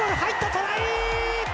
トライ！